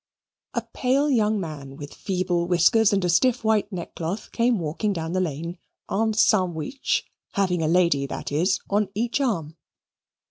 A pale young man with feeble whiskers and a stiff white neckcloth came walking down the lane, en sandwich having a lady, that is, on each arm.